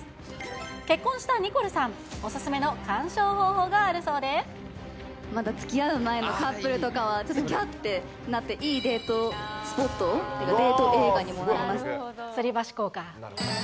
結婚したニコルさん、まだつきあう前のカップルとかは、ちょっときゃーってなって、いいデートスポット？っていうか、デート映画にもなります。